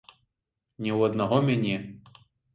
Не ў аднаго мяне.